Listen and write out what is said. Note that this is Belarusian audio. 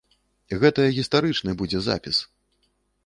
Гэта гістарычны будзе запіс.